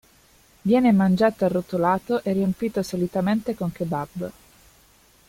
Viene mangiato arrotolato e riempito solitamente con kebab.